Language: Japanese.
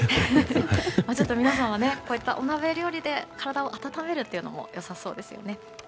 皆さんはこういったお鍋料理で体を温めるのも良さそうですよね。